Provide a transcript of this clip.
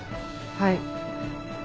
はい。